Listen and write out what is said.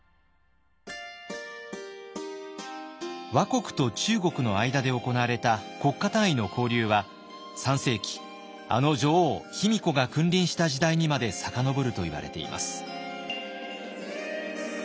倭国と中国の間で行われた国家単位の交流は３世紀あの女王卑弥呼が君臨した時代にまで遡るといわれています。